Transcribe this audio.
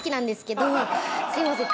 すいません。